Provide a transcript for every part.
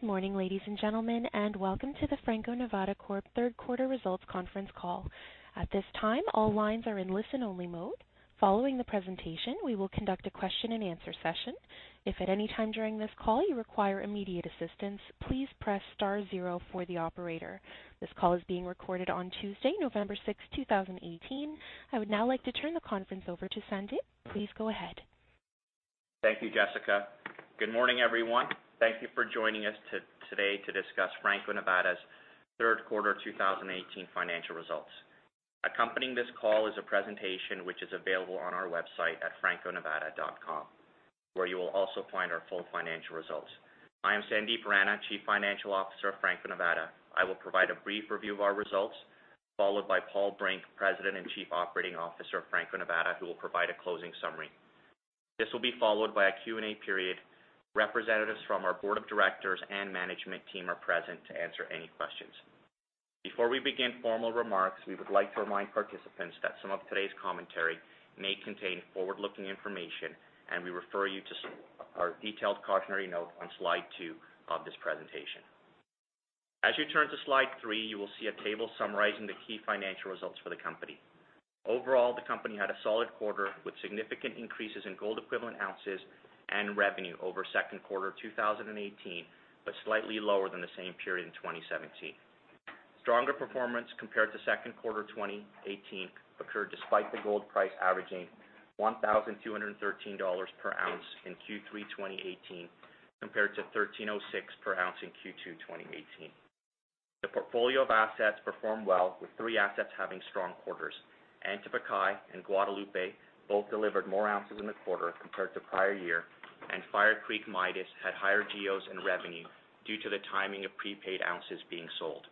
Good morning, ladies and gentlemen, and welcome to the Franco-Nevada Corp Third Quarter Results Conference Call. At this time, all lines are in listen-only mode. Following the presentation, we will conduct a question and answer session. If at any time during this call you require immediate assistance, please press star zero for the operator. This call is being recorded on Tuesday, November sixth, 2018. I would now like to turn the conference over to Sandip. Please go ahead. Thank you, Jessica. Good morning, everyone. Thank you for joining us today to discuss Franco-Nevada's third quarter 2018 financial results. Accompanying this call is a presentation which is available on our website at franco-nevada.com, where you will also find our full financial results. I am Sandip Rana, Chief Financial Officer of Franco-Nevada. I will provide a brief review of our results, followed by Paul Brink, President and Chief Operating Officer of Franco-Nevada, who will provide a closing summary. This will be followed by a Q&A period. Representatives from our board of directors and management team are present to answer any questions. Before we begin formal remarks, we would like to remind participants that some of today's commentary may contain forward-looking information, and we refer you to our detailed cautionary note on slide two of this presentation. As you turn to slide three, you will see a table summarizing the key financial results for the company. Overall, the company had a solid quarter, with significant increases in gold equivalent ounces and revenue over second quarter 2018, but slightly lower than the same period in 2017. Stronger performance compared to second quarter 2018 occurred despite the gold price averaging $1,213 per ounce in Q3 2018, compared to $1,306 per ounce in Q2 2018. The portfolio of assets performed well, with three assets having strong quarters. Antamina and Guadalupe both delivered more ounces in the quarter compared to prior year, and Fire Creek-Midas had higher GEOs and revenue due to the timing of prepaid ounces being sold.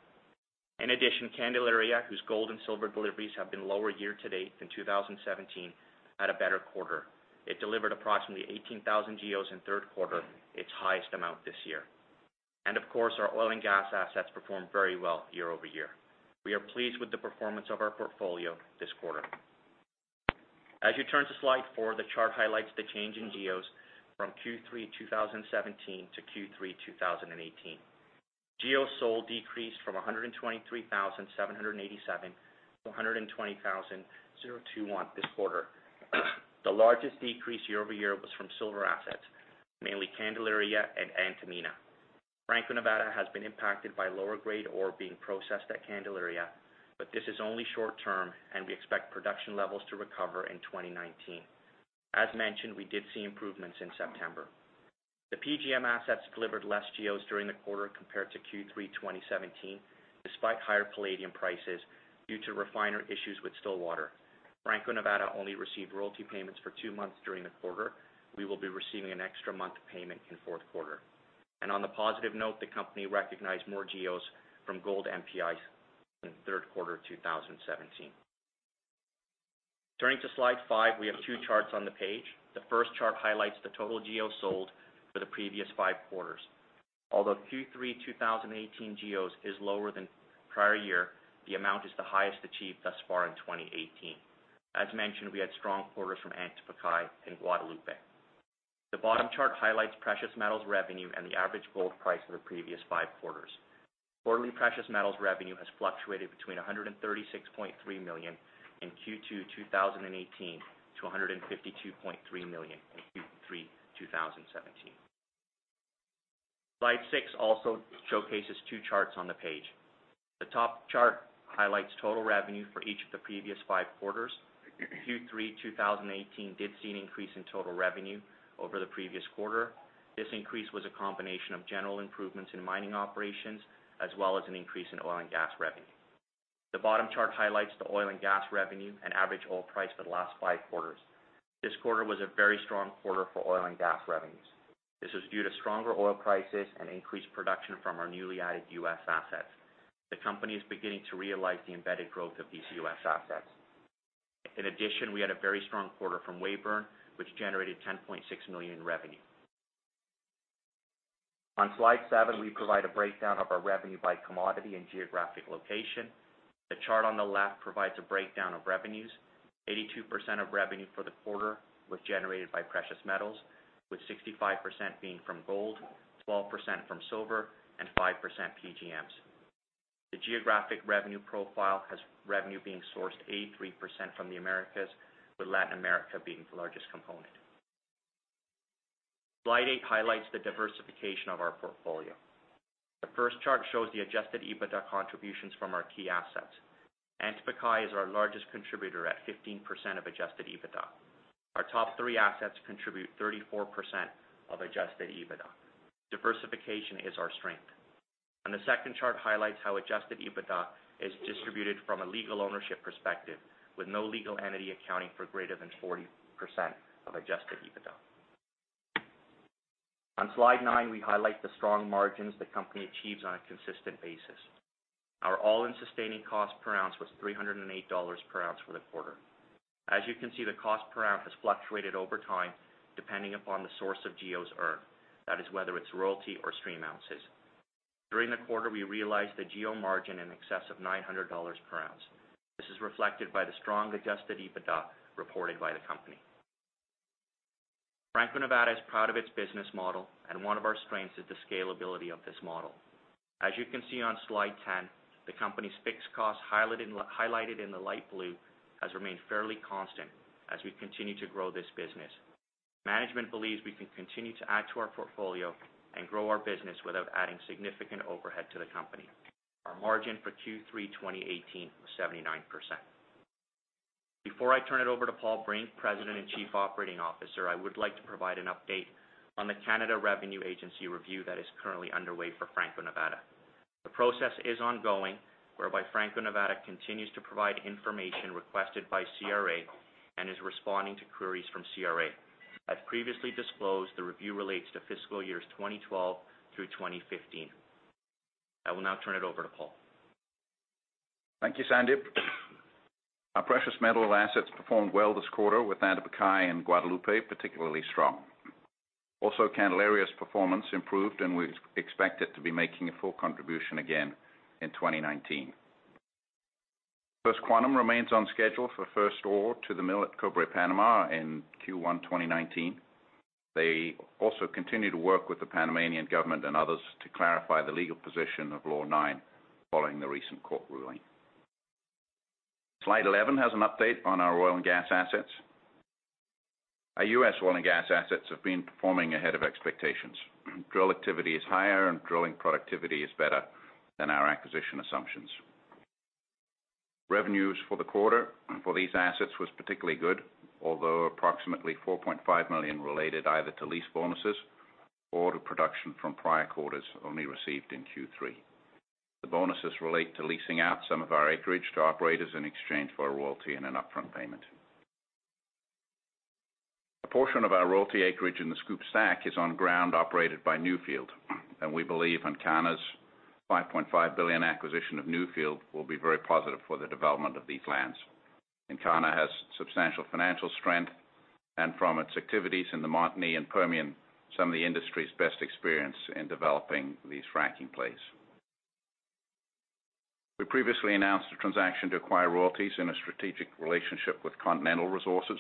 In addition, Candelaria, whose gold and silver deliveries have been lower year to date than 2017, had a better quarter. It delivered approximately 18,000 GEOs in the third quarter, its highest amount this year. Of course, our oil and gas assets performed very well year-over-year. We are pleased with the performance of our portfolio this quarter. As you turn to slide four, the chart highlights the change in GEOs from Q3 2017 to Q3 2018. GEOs sold decreased from 123,787 to 120,021 this quarter. The largest decrease year-over-year was from silver assets, mainly Candelaria and Antamina. Franco-Nevada has been impacted by lower grade ore being processed at Candelaria, but this is only short term, and we expect production levels to recover in 2019. As mentioned, we did see improvements in September. The PGM assets delivered less GEOs during the quarter compared to Q3 2017, despite higher palladium prices, due to refiner issues with Stillwater. Franco-Nevada only received royalty payments for two months during the quarter. We will be receiving an extra month of payment in the fourth quarter. On a positive note, the company recognized more GEOs from MPI Gold in the third quarter of 2017. Turning to slide five, we have two charts on the page. The first chart highlights the total GEO sold for the previous five quarters. Although Q3 2018 GEOs is lower than prior year, the amount is the highest achieved thus far in 2018. As mentioned, we had strong quarters from Antamina and Guadalupe. The bottom chart highlights precious metals revenue and the average gold price for the previous five quarters. Quarterly precious metals revenue has fluctuated between $136.3 million in Q2 2018 to $152.3 million in Q3 2017. Slide six also showcases two charts on the page. The top chart highlights total revenue for each of the previous five quarters. Q3 2018 did see an increase in total revenue over the previous quarter. This increase was a combination of general improvements in mining operations, as well as an increase in oil and gas revenue. The bottom chart highlights the oil and gas revenue and average oil price for the last five quarters. This quarter was a very strong quarter for oil and gas revenues. This was due to stronger oil prices and increased production from our newly added U.S. assets. The company is beginning to realize the embedded growth of these U.S. assets. In addition, we had a very strong quarter from Weyburn, which generated $10.6 million in revenue. On slide seven, we provide a breakdown of our revenue by commodity and geographic location. The chart on the left provides a breakdown of revenues. 82% of revenue for the quarter was generated by precious metals, with 65% being from gold, 12% from silver, and 5% PGMs. The geographic revenue profile has revenue being sourced 83% from the Americas, with Latin America being the largest component. Slide eight highlights the diversification of our portfolio. The first chart shows the adjusted EBITDA contributions from our key assets. Antamina is our largest contributor at 15% of adjusted EBITDA. Our top three assets contribute 34% of adjusted EBITDA. Diversification is our strength. The second chart highlights how adjusted EBITDA is distributed from a legal ownership perspective, with no legal entity accounting for greater than 40% of adjusted EBITDA. On slide nine, we highlight the strong margins the company achieves on a consistent basis. Our all-in sustaining cost per ounce was $308 per ounce for the quarter. As you can see, the cost per ounce has fluctuated over time, depending upon the source of GEOs earned, that is, whether it's royalty or stream ounces. During the quarter, we realized a GEO margin in excess of $900 per ounce. This is reflected by the strong adjusted EBITDA reported by the company. Franco-Nevada is proud of its business model, and one of our strengths is the scalability of this model. As you can see on slide 10, the company's fixed costs, highlighted in the light blue, has remained fairly constant as we continue to grow this business. Management believes we can continue to add to our portfolio and grow our business without adding significant overhead to the company. Our margin for Q3 2018 was 79%. Before I turn it over to Paul Brink, President and Chief Operating Officer, I would like to provide an update on the Canada Revenue Agency review that is currently underway for Franco-Nevada. The process is ongoing, whereby Franco-Nevada continues to provide information requested by CRA and is responding to queries from CRA. As previously disclosed, the review relates to fiscal years 2012 through 2015. I will now turn it over to Paul. Thank you, Sandip. Our precious metal assets performed well this quarter with Atacama and Guadalupe particularly strong. Also, Candelaria's performance improved, and we expect it to be making a full contribution again in 2019. First Quantum remains on schedule for first ore to the mill at Cobre Panama in Q1 2019. They also continue to work with the Panamanian government and others to clarify the legal position of Law 9 following the recent court ruling. Slide 11 has an update on our oil and gas assets. Our U.S. oil and gas assets have been performing ahead of expectations. Drill activity is higher and drilling productivity is better than our acquisition assumptions. Revenues for the quarter for these assets was particularly good, although approximately $4.5 million related either to lease bonuses or to production from prior quarters only received in Q3. The bonuses relate to leasing out some of our acreage to operators in exchange for a royalty and an upfront payment. A portion of our royalty acreage in the SCOOP/STACK is on ground operated by Newfield, and we believe Encana's $5.5 billion acquisition of Newfield will be very positive for the development of these lands. Encana has substantial financial strength and from its activities in the Montney and Permian, some of the industry's best experience in developing these fracking plays. We previously announced a transaction to acquire royalties in a strategic relationship with Continental Resources.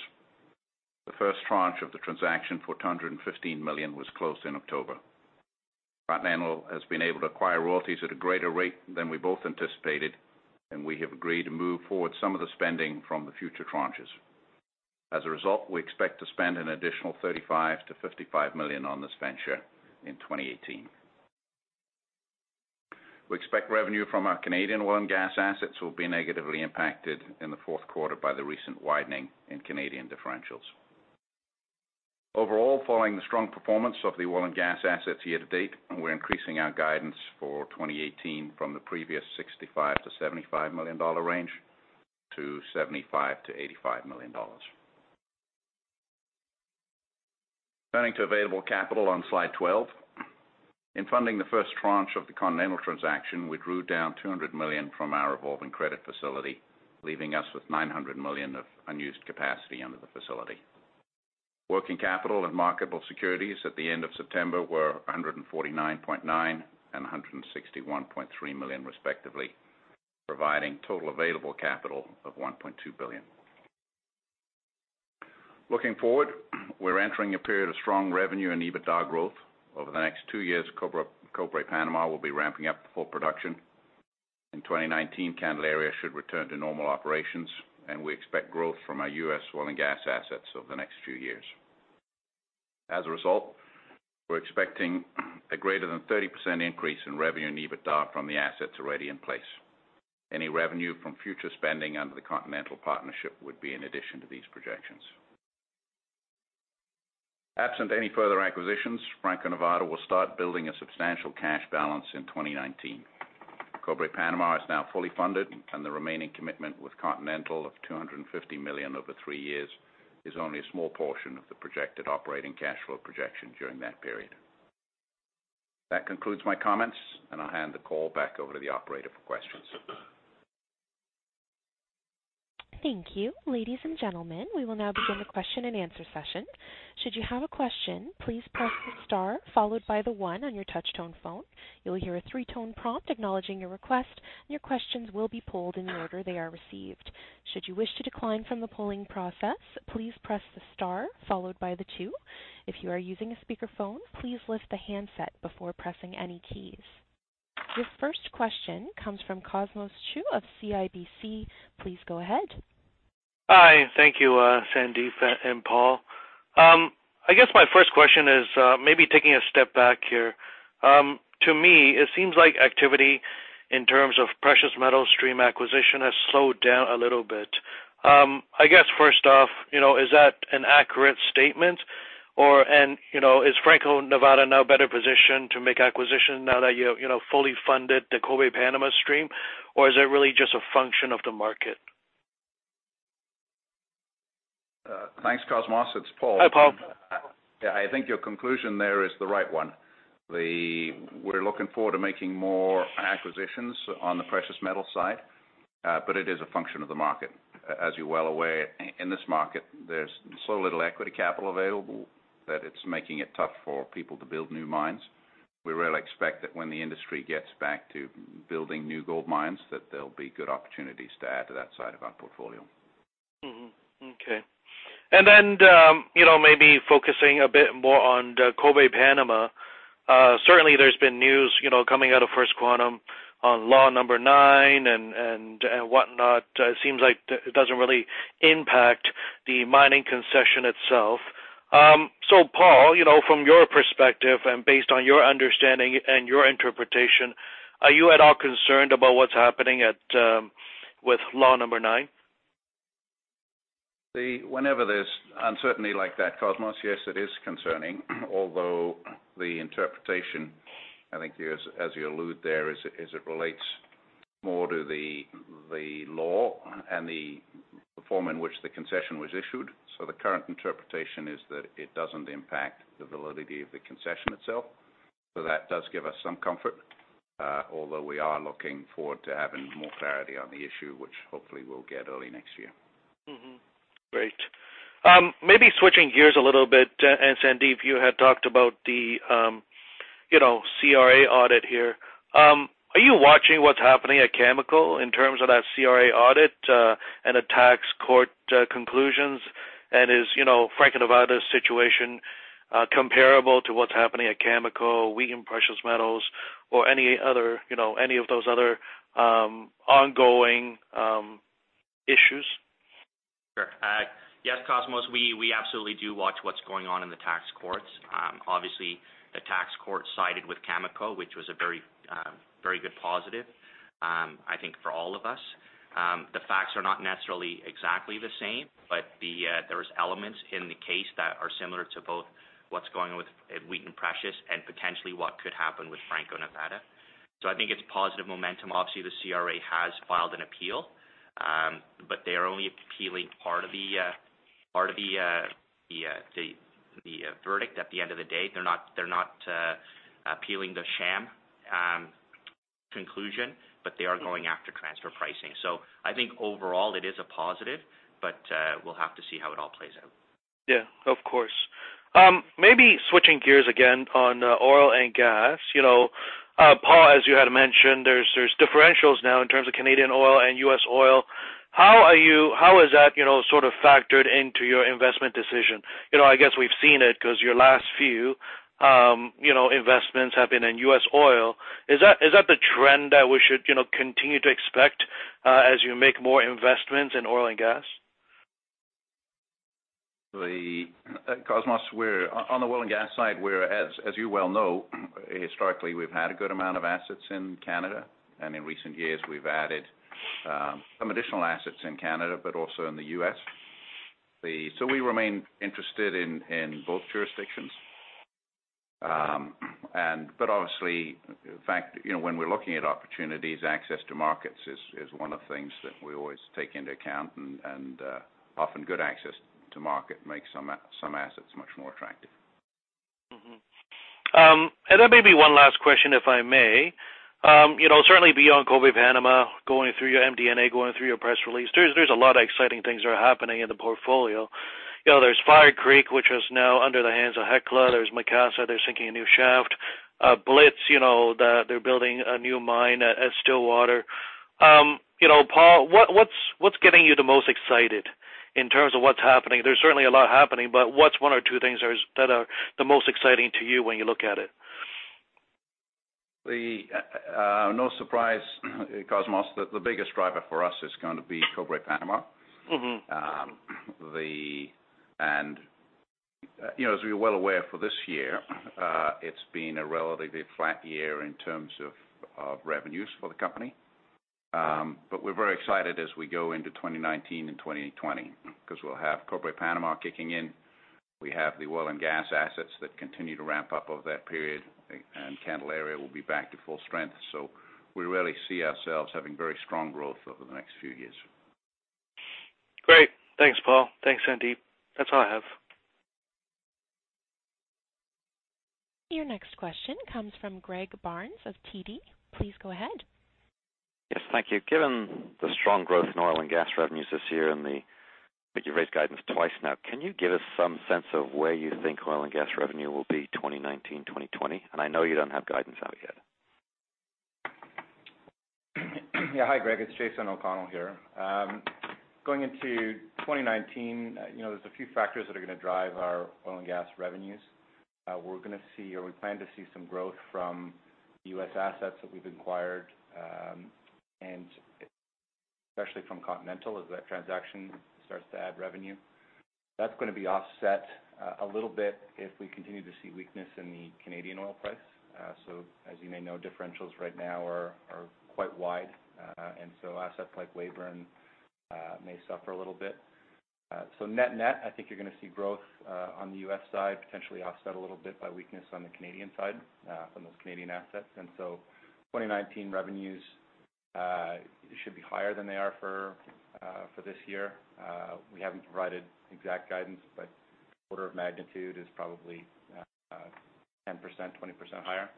The first tranche of the transaction for $215 million was closed in October. Continental has been able to acquire royalties at a greater rate than we both anticipated, and we have agreed to move forward some of the spending from the future tranches. We expect to spend an additional $35 million-$55 million on this venture in 2018. We expect revenue from our Canadian oil and gas assets will be negatively impacted in the fourth quarter by the recent widening in Canadian differentials. Overall, following the strong performance of the oil and gas assets year to date, we're increasing our guidance for 2018 from the previous $65 million-$75 million range to $75 million-$85 million. Turning to available capital on slide 12. In funding the first tranche of the Continental transaction, we drew down $200 million from our revolving credit facility, leaving us with $900 million of unused capacity under the facility. Working capital and marketable securities at the end of September were $149.9 million and $161.3 million respectively, providing total available capital of $1.2 billion. Looking forward, we're entering a period of strong revenue and EBITDA growth. Over the next 2 years, Cobre Panama will be ramping up to full production. In 2019, Candelaria should return to normal operations, and we expect growth from our U.S. oil and gas assets over the next few years. As a result, we're expecting a greater than 30% increase in revenue and EBITDA from the assets already in place. Any revenue from future spending under the Continental partnership would be in addition to these projections. Absent any further acquisitions, Franco-Nevada will start building a substantial cash balance in 2019. Cobre Panama is now fully funded and the remaining commitment with Continental of $250 million over 3 years is only a small portion of the projected operating cash flow projection during that period. That concludes my comments and I'll hand the call back over to the operator for questions. Thank you. Ladies and gentlemen, we will now begin the question and answer session. Should you have a question, please press the star followed by the 1 on your touch tone phone. You will hear a 3-tone prompt acknowledging your request, and your questions will be polled in the order they are received. Should you wish to decline from the polling process, please press the star followed by the 2. If you are using a speakerphone, please lift the handset before pressing any keys. Your first question comes from Cosmos Chiu of CIBC. Please go ahead. Hi. Thank you, Sandip and Paul. I guess my first question is maybe taking a step back here. To me, it seems like activity in terms of precious metal stream acquisition has slowed down a little bit. I guess first off, is that an accurate statement? Is Franco-Nevada now better positioned to make acquisition now that you fully funded the Cobre Panama stream? Is it really just a function of the market? Thanks, Cosmos. It's Paul. Hi, Paul. Yeah, I think your conclusion there is the right one. We're looking forward to making more acquisitions on the precious metal side, but it is a function of the market. As you're well aware, in this market, there's so little equity capital available that it's making it tough for people to build new mines. We really expect that when the industry gets back to building new gold mines, that there'll be good opportunities to add to that side of our portfolio. Mm-hmm. Okay. Maybe focusing a bit more on Cobre Panama. Certainly, there's been news coming out of First Quantum on Law 9 and whatnot. It seems like it doesn't really impact the mining concession itself. Paul, from your perspective and based on your understanding and your interpretation, are you at all concerned about what's happening with Law 9? Whenever there's uncertainty like that, Cosmos, yes, it is concerning. Although the interpretation, I think as you allude there, is it relates more to the law and the form in which the concession was issued. The current interpretation is that it doesn't impact the validity of the concession itself. That does give us some comfort, although we are looking forward to having more clarity on the issue, which hopefully we'll get early next year. Great. Maybe switching gears a little bit, Sandeep, you had talked about the CRA audit here. Are you watching what's happening at Cameco in terms of that CRA audit, and the tax court conclusions? Is Franco-Nevada's situation comparable to what's happening at Cameco, Wheaton Precious Metals, or any of those other ongoing issues? Sure. Cosmos, we absolutely do watch what's going on in the tax courts. Obviously, the tax court sided with Cameco, which was a very good positive, I think for all of us. The facts are not necessarily exactly the same, but there is elements in the case that are similar to both what's going on with Wheaton Precious and potentially what could happen with Franco-Nevada. I think it's positive momentum. Obviously, the CRA has filed an appeal, but they are only appealing part of the verdict at the end of the day. They're not appealing the sham conclusion, but they are going after transfer pricing. I think overall it is a positive, but we'll have to see how it all plays out. Of course. Maybe switching gears again on oil and gas. Paul, as you had mentioned, there's differentials now in terms of Canadian oil and U.S. oil. How is that factored into your investment decision? I guess we've seen it because your last few investments have been in U.S. oil. Is that the trend that we should continue to expect as you make more investments in oil and gas? Cosmos, on the oil and gas side, as you well know, historically, we've had a good amount of assets in Canada. In recent years we've added some additional assets in Canada, but also in the U.S. We remain interested in both jurisdictions. Obviously, in fact, when we're looking at opportunities, access to markets is one of the things that we always take into account, and often good access to market makes some assets much more attractive. Mm-hmm. Maybe one last question, if I may. Certainly on Cobre Panama, going through your MD&A, going through your press release, there's a lot of exciting things that are happening in the portfolio. There's Fire Creek, which is now under the hands of Hecla. There's Macassa, they're sinking a new shaft. Blitz, they're building a new mine at Stillwater. Paul, what's getting you the most excited in terms of what's happening? There's certainly a lot happening, what's one or two things that are the most exciting to you when you look at it? No surprise, Cosmos, the biggest driver for us is going to be Cobre Panama. As we're well aware for this year, it's been a relatively flat year in terms of revenues for the company. We're very excited as we go into 2019 and 2020 because we'll have Cobre Panama kicking in. We have the oil and gas assets that continue to ramp up over that period, and Candelaria will be back to full strength. We really see ourselves having very strong growth over the next few years. Great. Thanks, Paul. Thanks, Sandip. That's all I have. Your next question comes from Greg Barnes of TD. Please go ahead. Yes, thank you. Given the strong growth in oil and gas revenues this year and I think you've raised guidance twice now, can you give us some sense of where you think oil and gas revenue will be 2019, 2020? I know you don't have guidance out yet. Hi, Greg, it's Jason O'Connell here. Going into 2019, there's a few factors that are going to drive our oil and gas revenues. We're going to see, or we plan to see some growth from U.S. assets that we've acquired, and especially from Continental, as that transaction starts to add revenue. That's going to be offset a little bit if we continue to see weakness in the Canadian oil price. As you may know, differentials right now are quite wide, assets like Weyburn may suffer a little bit. Net-net, I think you're going to see growth on the U.S. side potentially offset a little bit by weakness on the Canadian side from those Canadian assets. 2019 revenues should be higher than they are for this year. We haven't provided exact guidance, but order of magnitude is probably 10%-20% higher.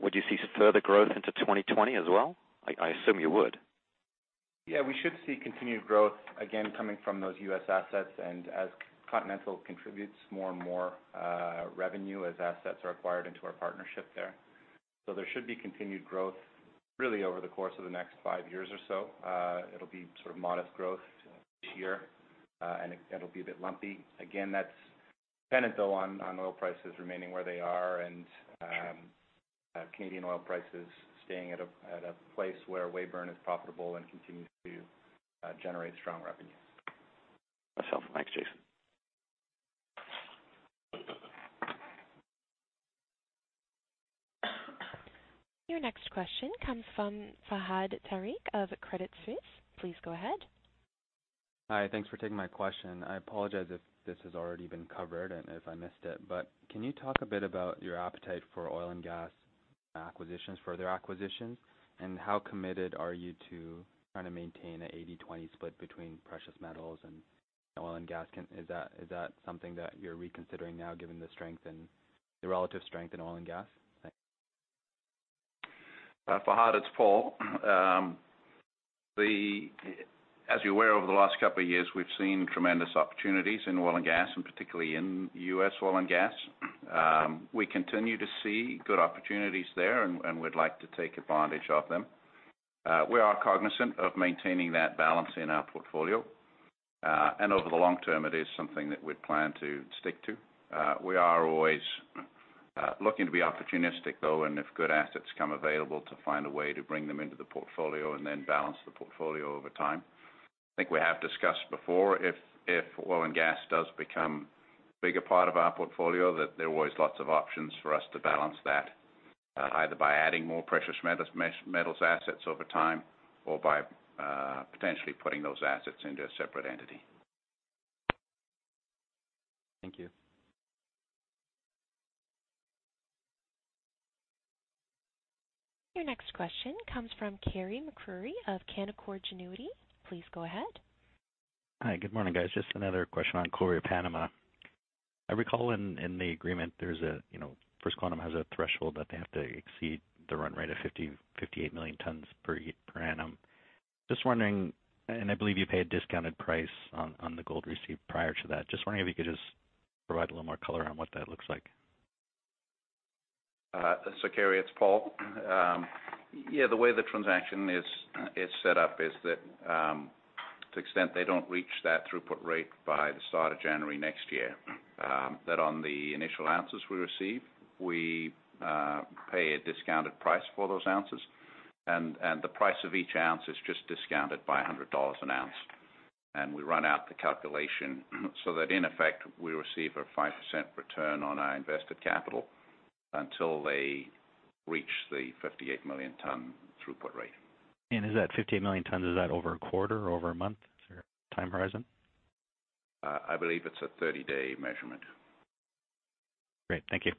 Would you see further growth into 2020 as well? I assume you would. Yeah, we should see continued growth, again, coming from those U.S. assets and as Continental contributes more and more revenue as assets are acquired into our partnership there. There should be continued growth really over the course of the next five years or so. It'll be sort of modest growth each year, and it'll be a bit lumpy. Again, that's dependent though, on oil prices remaining where they are. Sure Canadian oil prices staying at a place where Weyburn is profitable and continues to generate strong revenue. Excellent. Thanks, Jason. Your next question comes from Fahad Tariq of Credit Suisse. Please go ahead. Hi. Thanks for taking my question. I apologize if this has already been covered and if I missed it, but can you talk a bit about your appetite for oil and gas acquisitions, further acquisitions, and how committed are you to trying to maintain an 80/20 split between precious metals and oil and gas? Is that something that you're reconsidering now, given the relative strength in oil and gas? Thanks. Fahad, it's Paul. As you're aware, over the last couple of years, we've seen tremendous opportunities in oil and gas, particularly in U.S. oil and gas. We continue to see good opportunities there, and we'd like to take advantage of them. We are cognizant of maintaining that balance in our portfolio. Over the long term, it is something that we'd plan to stick to. We are always looking to be opportunistic, though, and if good assets come available, to find a way to bring them into the portfolio and then balance the portfolio over time. I think we have discussed before, if oil and gas does become a bigger part of our portfolio, that there are always lots of options for us to balance that, either by adding more precious metals assets over time or by potentially putting those assets into a separate entity. Thank you. Your next question comes from Carey MacRury of Canaccord Genuity. Please go ahead. Hi. Good morning, guys. Just another question on Cobre Panama. I recall in the agreement, First Quantum has a threshold that they have to exceed the run rate of 58 million tons per annum. I believe you pay a discounted price on the gold received prior to that. Just wondering if you could just provide a little more color on what that looks like. Carey, it's Paul. The way the transaction is set up is that to the extent they don't reach that throughput rate by the start of January next year, that on the initial ounces we receive, we pay a discounted price for those ounces, and the price of each ounce is just discounted by $100 an ounce. We run out the calculation so that in effect, we receive a 5% return on our invested capital until they reach the 58 million ton throughput rate. Is that 58 million tons, is that over a quarter or over a month sort of time horizon? I believe it's a 30-day measurement. Great. Thank you.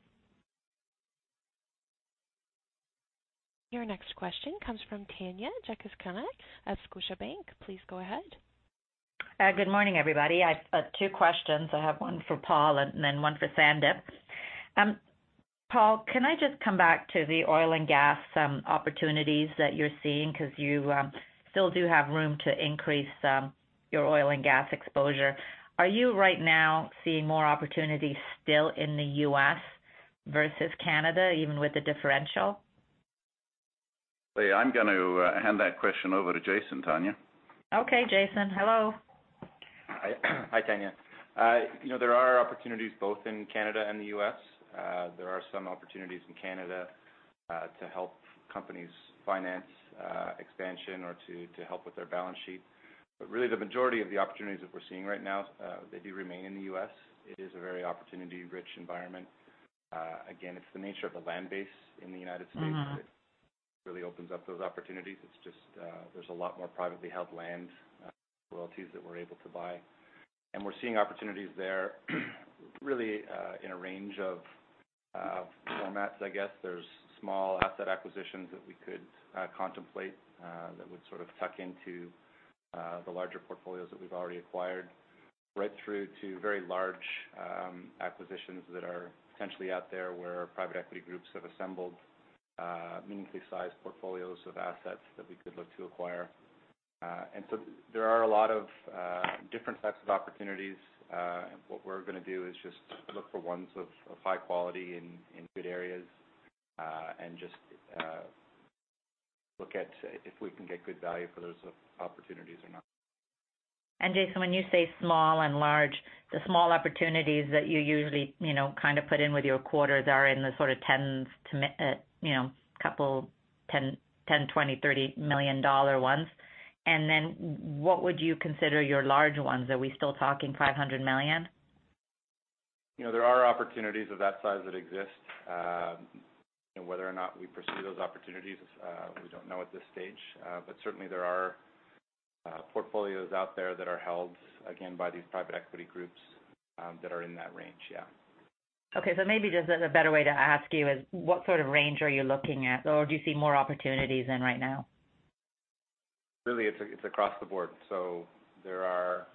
Your next question comes from Tanya Jakusconek at Scotiabank. Please go ahead. Good morning, everybody. I have two questions. I have one for Paul and then one for Sandip. Paul, can I just come back to the oil and gas opportunities that you're seeing because you still do have room to increase your oil and gas exposure. Are you right now seeing more opportunities still in the U.S. versus Canada, even with the differential? I'm going to hand that question over to Jason, Tanya. Okay, Jason. Hello. Hi, Tanya. There are opportunities both in Canada and the U.S. There are some opportunities in Canada to help companies finance expansion or to help with their balance sheet. Really, the majority of the opportunities that we're seeing right now, they do remain in the U.S. It is a very opportunity-rich environment. Again, it's the nature of the land base in the United States that really opens up those opportunities. It's just there's a lot more privately held land royalties that we're able to buy. We're seeing opportunities there really in a range of formats, I guess. There's small asset acquisitions that we could contemplate that would sort of tuck into the larger portfolios that we've already acquired, right through to very large acquisitions that are potentially out there where private equity groups have assembled meaningfully sized portfolios of assets that we could look to acquire. There are a lot of different sets of opportunities. What we're going to do is just look for ones of high quality in good areas, and just look at if we can get good value for those opportunities or not. Jason, when you say small and large, the small opportunities that you usually put in with your quarters are in the sort of tens, 20, $30 million ones. What would you consider your large ones? Are we still talking $500 million? There are opportunities of that size that exist. Whether or not we pursue those opportunities, we don't know at this stage. Certainly, there are portfolios out there that are held, again, by these private equity groups that are in that range, yeah. Maybe just a better way to ask you is what sort of range are you looking at? Do you see more opportunities in right now? Really, it's across the board. There are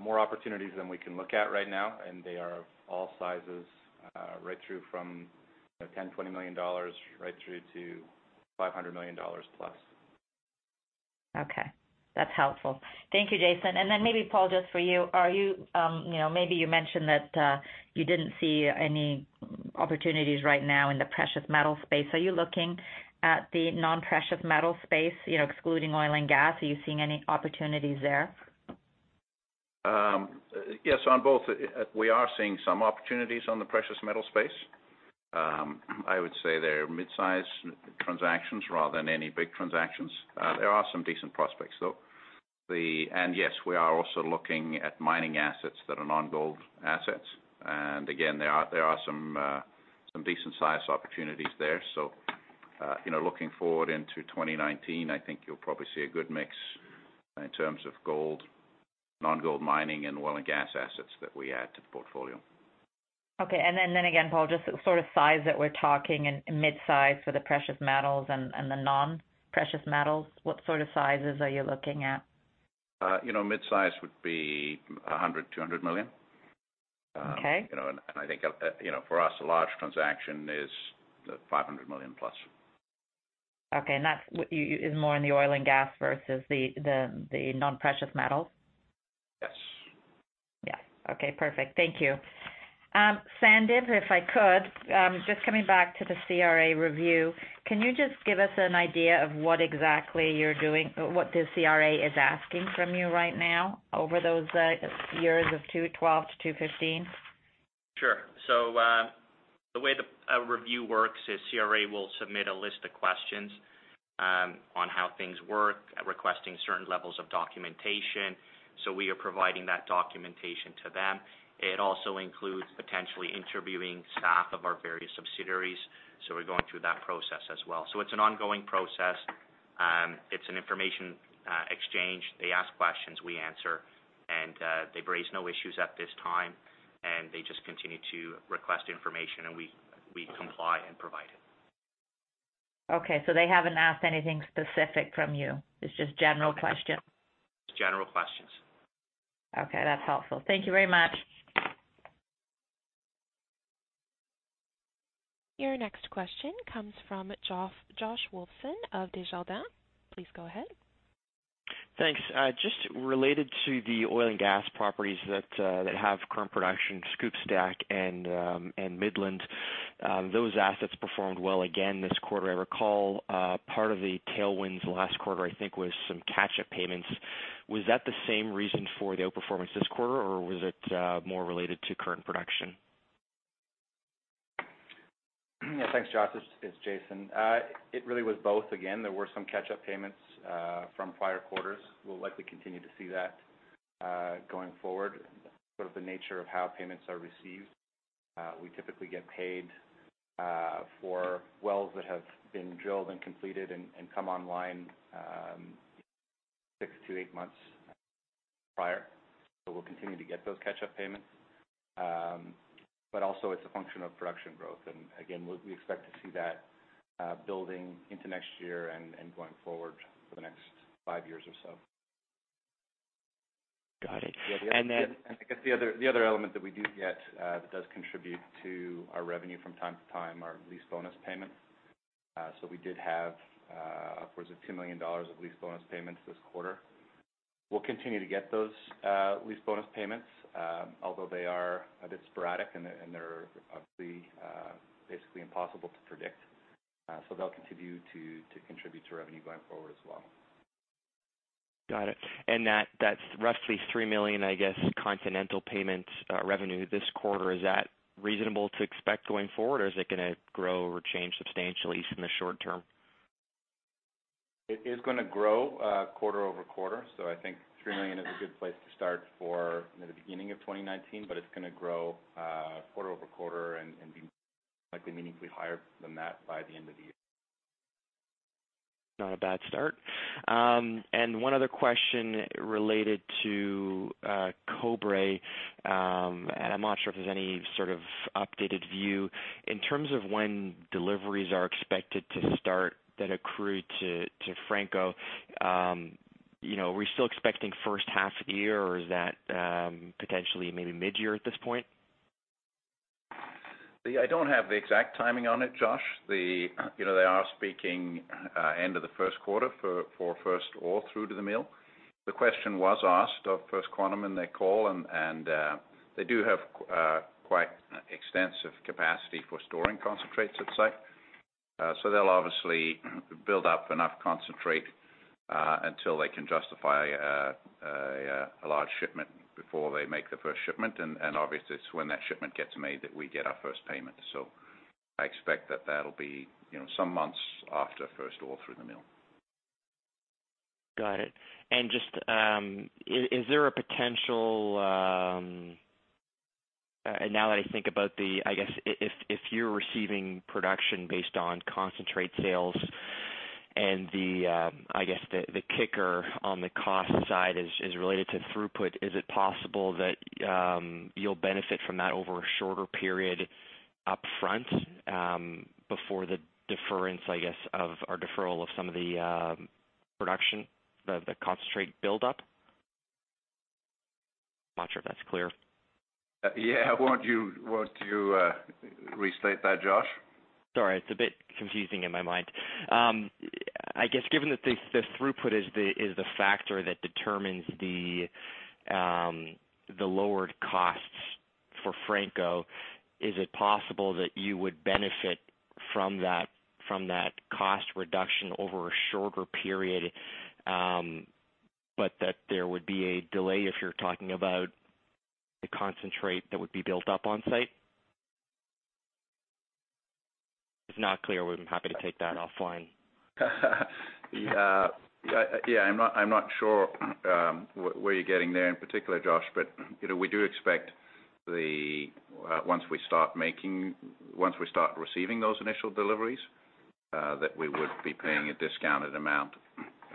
more opportunities than we can look at right now, and they are all sizes, right through from $10 million, $20 million, right through to $500 million plus. That's helpful. Thank you, Jason. Maybe Paul, just for you, maybe you mentioned that you didn't see any opportunities right now in the precious metal space. Are you looking at the non-precious metal space, excluding oil and gas? Are you seeing any opportunities there? Yes, on both. We are seeing some opportunities on the precious metal space. I would say they're mid-size transactions rather than any big transactions. There are some decent prospects, though. Yes, we are also looking at mining assets that are non-gold assets. Again, there are some decent size opportunities there. Looking forward into 2019, I think you'll probably see a good mix in terms of gold, non-gold mining, and oil and gas assets that we add to the portfolio. Okay. Again, Paul, just the sort of size that we're talking in mid-size for the precious metals and the non-precious metals, what sort of sizes are you looking at? Mid-size would be $100 million, $200 million. Okay. I think, for us, a large transaction is $500 million plus. Okay. That is more in the oil and gas versus the non-precious metals? Yes. Yeah. Okay, perfect. Thank you. Sandip, if I could, just coming back to the CRA review, can you just give us an idea of what exactly you're doing, what the CRA is asking from you right now over those years of 2012 to 2015? Sure. The way the review works is CRA will submit a list of questions on how things work, requesting certain levels of documentation. We are providing that documentation to them. It also includes potentially interviewing staff of our various subsidiaries, so we're going through that process as well. It's an ongoing process. It's an information exchange. They ask questions, we answer, and they've raised no issues at this time, and they just continue to request information, and we comply and provide it. Okay, they haven't asked anything specific from you. It's just general questions. Just general questions. Okay, that's helpful. Thank you very much. Your next question comes from Josh Wolfson of Desjardins. Please go ahead. Thanks. Just related to the oil and gas properties that have current production, SCOOP, STACK, and Midland, those assets performed well again this quarter. I recall part of the tailwinds last quarter, I think, was some catch-up payments. Was that the same reason for the outperformance this quarter, or was it more related to current production? Thanks, Josh. It's Jason. It really was both, again. There were some catch-up payments from prior quarters. We'll likely continue to see that going forward, sort of the nature of how payments are received. We typically get paid for wells that have been drilled and completed and come online six to eight months prior. We'll continue to get those catch-up payments. Also, it's a function of production growth. Again, we expect to see that building into next year and going forward for the next five years or so. Got it. I guess the other element that we do get that does contribute to our revenue from time to time are lease bonus payments. We did have upwards of $2 million of lease bonus payments this quarter. We'll continue to get those lease bonus payments, although they are a bit sporadic and they're basically impossible to predict. They'll continue to contribute to revenue going forward as well. Got it. That's roughly $3 million, I guess, Continental payments revenue this quarter. Is that reasonable to expect going forward, or is it going to grow or change substantially in the short term? It is going to grow quarter-over-quarter. I think $3 million is a good place to start for the beginning of 2019, but it's going to grow quarter-over-quarter and be likely meaningfully higher than that by the end of the year. Not a bad start. One other question related to Cobre, and I'm not sure if there's any sort of updated view. In terms of when deliveries are expected to start that accrue to Franco, were you still expecting first half year, or is that potentially maybe mid-year at this point? I don't have the exact timing on it, Josh. They are speaking end of the first quarter for first ore through to the mill. The question was asked of First Quantum in their call, and they do have quite extensive capacity for storing concentrates at site. They'll obviously build up enough concentrate until they can justify a large shipment before they make the first shipment. Obviously, it's when that shipment gets made that we get our first payment. I expect that that'll be some months after first ore through the mill. Got it. Now that I think about the, I guess, if you're receiving production based on concentrate sales and, I guess, the kicker on the cost side is related to throughput, is it possible that you'll benefit from that over a shorter period upfront, before the deferral of some of the production, the concentrate buildup. I'm not sure if that's clear. Yeah. Want to restate that, Josh? Sorry, it's a bit confusing in my mind. I guess given that the throughput is the factor that determines the lowered costs for Franco, is it possible that you would benefit from that cost reduction over a shorter period, but that there would be a delay if you're talking about the concentrate that would be built up on-site? If not clear, we'd be happy to take that offline. Yeah. I'm not sure where you're getting there in particular, Josh, but we do expect, once we start receiving those initial deliveries, that we would be paying a discounted amount.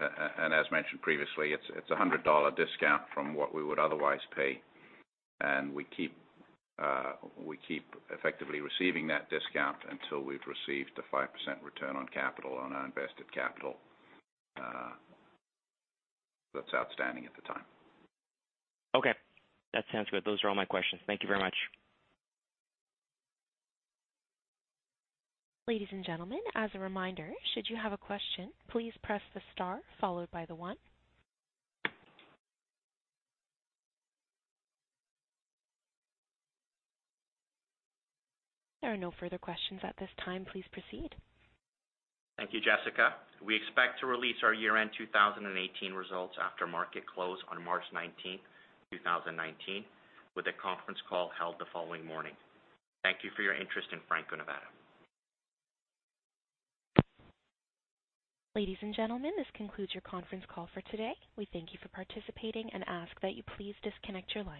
As mentioned previously, it's $100 discount from what we would otherwise pay. We keep effectively receiving that discount until we've received a 5% return on our invested capital that's outstanding at the time. Okay. That sounds good. Those are all my questions. Thank you very much. Ladies and gentlemen, as a reminder, should you have a question, please press the star followed by the one. There are no further questions at this time. Please proceed. Thank you, Jessica. We expect to release our year-end 2018 results after market close on March 19th, 2019, with a conference call held the following morning. Thank you for your interest in Franco-Nevada. Ladies and gentlemen, this concludes your conference call for today. We thank you for participating and ask that you please disconnect your lines.